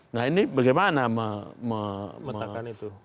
nah ini bagaimana memetakan itu